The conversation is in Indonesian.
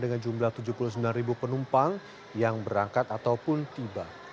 dengan jumlah tujuh puluh sembilan penumpang yang berangkat ataupun tiba